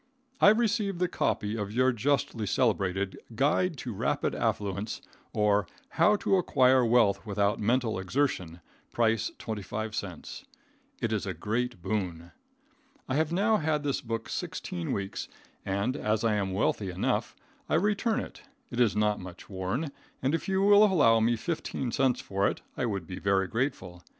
I received the copy of your justly celebrated "Guide to rapid Affluence, or How to Acquire Wealth Without Mental Exertion," price twenty five cents. It is a great boon. I have now had this book sixteen weeks, and, as I am wealthy enough, I return it. It is not much worn, and if you will allow me fifteen cents for it, I would be very grateful.